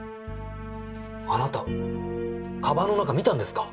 あなた鞄の中見たんですか！？